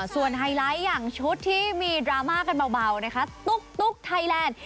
ส่วนไฮไลท์อย่างชุดที่มีดราม่ากันเบานะคะตุ๊กไทยแลนด์